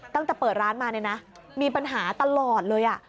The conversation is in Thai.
ตั้งแต่เปิดร้านมาเนี่ยนะมีปัญหาตลอดเลย